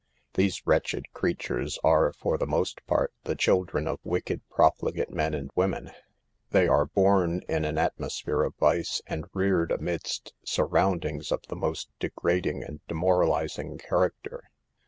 These wretched creatures are, for the most part, the children of wicked, prof ligate men and women. They are born in an atmosphere of vice, and reared amidst sur roundings of the most degrading and demoral THE PERILS OF POVEETY. 135 izing character.